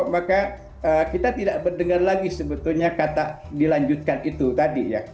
maka kita tidak mendengar lagi sebetulnya kata dilanjutkan itu tadi ya